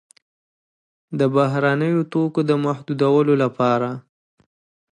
د بهرنیو توکو د محدودولو لپاره.